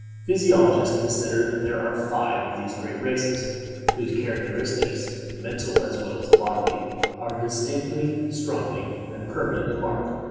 Physiologists consider that there are five of these great races, whose characteristics, mental as well as bodily, are distinctly, strongly, and permanently marked.